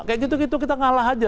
kayak gitu gitu kita ngalah aja